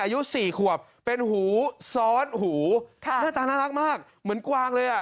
อายุสี่ขวบเป็นหูซ้อนหูค่ะหน้าตาน่ารักมากเหมือนกวางเลยอ่ะ